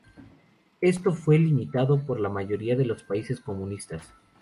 Esto fue limitado por la mayoría de los países comunistas.